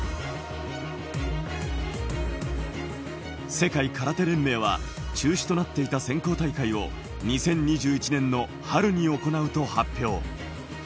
世界空手連盟は中止となっていた選考大会を２０２１年の春に行うと発表。